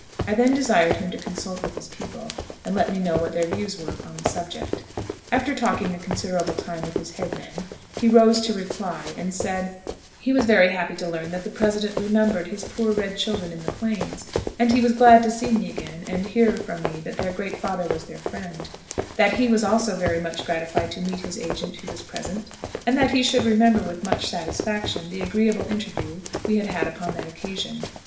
I then desired him to consult with his people, and let me know what their views were upon the subject. After talking a considerable time with his head men, he rose to reply, and said, "He was very happy to learn that the President remembered his poor red children in the Plains, and he was glad to see me again, and hear from me that their Great Father was their friend; that he was also very much gratified to meet his agent who was present, and that he should remember with much satisfaction the agreeable interview we had had upon that occasion."